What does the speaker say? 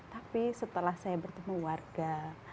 tapi setelah saya bertemu warga